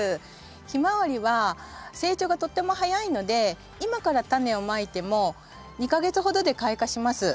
ヒマワリは成長がとっても早いので今からタネをまいても２か月ほどで開花します。